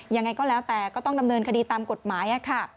ยังไงก็แล้วแต่ก็ต้องดำเนินคดีตามกฎหมายค่ะ